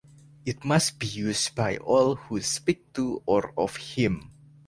It must be used by all who speak to or of him.